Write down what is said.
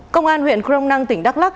công an huyện crong năng tỉnh đắk lắc